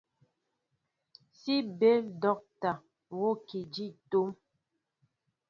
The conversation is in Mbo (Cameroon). Si béél docta worki di tóm.